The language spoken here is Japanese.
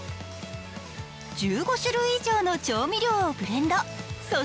１５種類以上の調味料をブレンド。